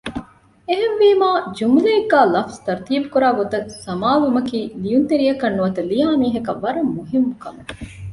އެހެންވީމާ ޖުމުލައެއްގައި ލަފުޒު ތަރުތީބު ކުރާ ގޮތަށް ސަމާލުވުމަކީ ލިޔުންތެރިއަކަށް ނުވަތަ ލިޔާ މީހަކަށް ވަރަށް މުހިއްމު ކަމެއް